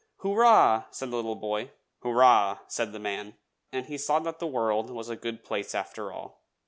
"Hurrah!" said the little boy. "Hurrah!" said the man. And he saw that the world was a good place after all.